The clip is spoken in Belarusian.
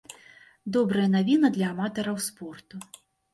Добрая навіна для аматараў спорту.